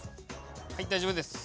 はい大丈夫です。